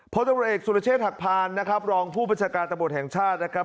พตรเอกสุรเชษฐ์หักพานนะครับรองผู้ประชาการตำบทแห่งชาตินะครับ